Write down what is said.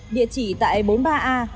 địa chỉ tại bốn mươi ba a